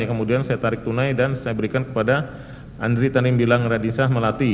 kemudian saya tarik tunai dan saya berikan kepada andri tanimbilang radisa melati